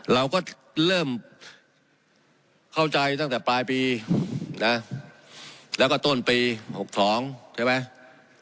เราก็เริ่มเข้าใจตั้งแต่ปลายปีนะแล้วก็ต้นปี๖๒ใช่ไหม